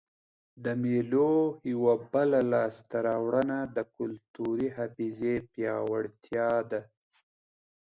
د مېلو یوه بله لاسته راوړنه د کلتوري حافظې پیاوړتیا ده.